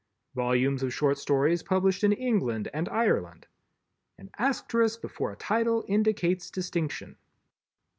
_" Volumes of short stories published in England and Ireland. "_An Asterisk before a title indicates distinction.